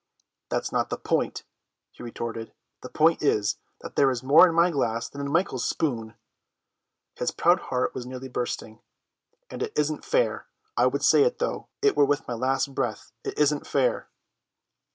"That is not the point," he retorted. "The point is, that there is more in my glass than in Michael's spoon." His proud heart was nearly bursting. "And it isn't fair: I would say it though it were with my last breath; it isn't fair."